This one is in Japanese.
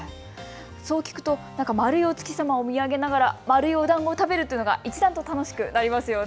そう聞くと丸いお月様を見上げながら丸いおだんごを食べるのが一段と楽しくなりますね。